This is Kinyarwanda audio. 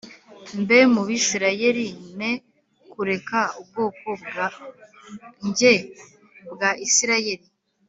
mbe mu Bisirayeli ne kureka ubwoko bwanjye bwa Isirayeli